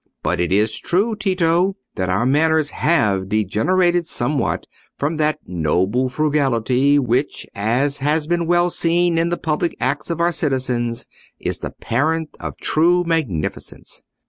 But it is true, Tito, that our manners have degenerated somewhat from that noble frugality which, as has been well seen in the public acts of our citizens, is the parent of true magnificence.